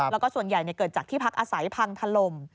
แล้วก็ส่วนใหญ่เกิดจากที่พักอาศัยพังถล่ม